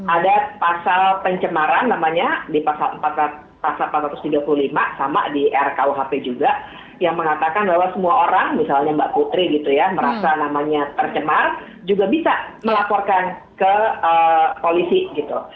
ada pasal pencemaran namanya di pasal empat ratus tiga puluh lima sama di rkuhp juga yang mengatakan bahwa semua orang misalnya mbak putri gitu ya merasa namanya tercemar juga bisa melaporkan ke polisi gitu